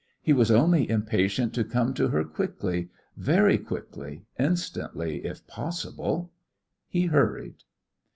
He was only impatient to come to her quickly, very quickly, instantly, if possible. He hurried.